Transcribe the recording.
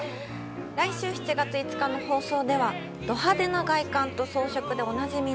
来週、７月５日の放送では、ド派手な外観と装飾でおなじみ！